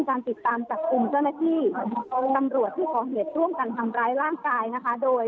การติดตามจากกลุ่มเจ้าหน้าชื่อตำรวจที่ขอเหตุร่งการทำร้ายร่างกายนะคะโดยการพลมานต่อผู้ต้องขายาตรศิษย์